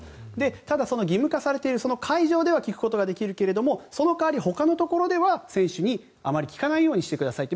ただ、義務化されているその会場では聞くことはできるけれどもその代わりほかのところで選手にあまり聞かないようにしてくださいと。